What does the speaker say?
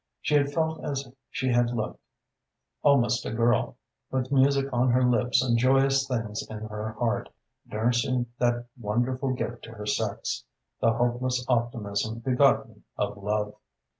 She had felt as she had looked: almost a girl, with music on her lips and joyous things in her heart, nursing that wonderful gift to her sex, the hopeless optimism begotten of love.